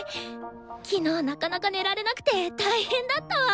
昨日なかなか寝られなくて大変だったわ。